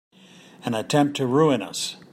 An attempt to ruin us!